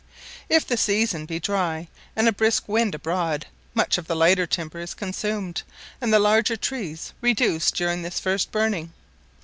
If the season be dry, and a brisk wind abroad, much of the lighter timber is consumed, and the larger trees reduced during this first burning.